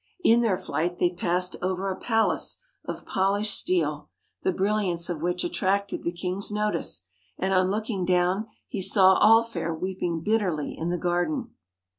In their flight they passed over a palace of polished steel, the brilliance of which attracted the king's notice, and on looking down he saw All fair weeping bitterly in the garden.